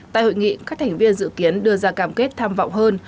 tại hội nghị các thành viên dự kiến đưa ra cam kết tham vọng hơn